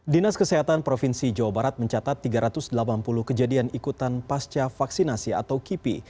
dinas kesehatan provinsi jawa barat mencatat tiga ratus delapan puluh kejadian ikutan pasca vaksinasi atau kipi